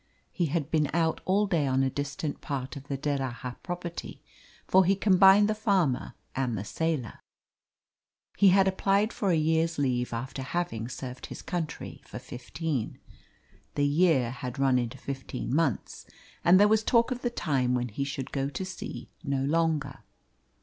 He had been out all day on a distant part of the D'Erraha property, for he combined the farmer and the sailor. He had applied for a year's leave after having served his country for fifteen. The year had run into fifteen months, and there was talk of the time when he should go to sea no longer.